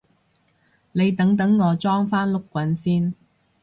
你等等我裝返碌棍先